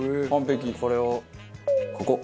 これをここ。